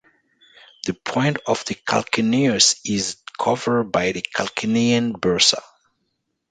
The point of the calcaneus is covered by the calcanean bursa.